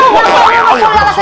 ya allah ya allah